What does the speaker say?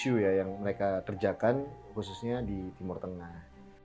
itu adalah isu yang mereka kerjakan khususnya di timur tengah